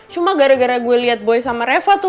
cuma gara gara gue liat boy sama reva tuh